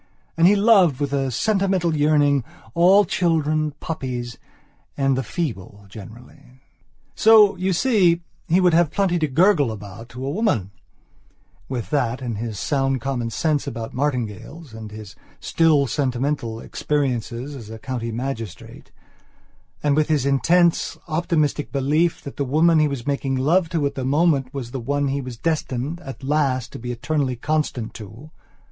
And he loved, with a sentimental yearning, all children, puppies, and the feeble generally... . So, you see, he would have plenty to gurgle about to a womanwith that and his sound common sense about martingales and hisstill sentimentalexperiences as a county magistrate; and with his intense, optimistic belief that the woman he was making love to at the moment was the one he was destined, at last, to be eternally constant to....